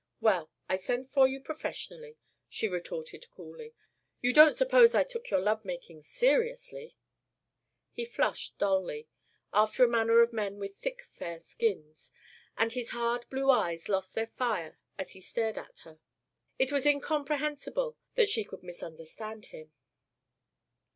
"Well, I sent for you professionally," she retorted coolly. "You don't suppose I took your love making seriously." He flushed dully, after the manner of men with thick fair skins, and his hard blue eyes lost their fire as he stared at her. It was incomprehensible that she could misunderstand him.